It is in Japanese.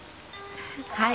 はい。